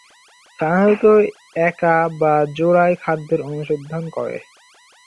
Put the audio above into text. সাধারণত একা বা জোড়ায় খাদ্যের অনুসন্ধান করে।